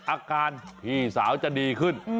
อาการพี่สาวจะดีขึ้น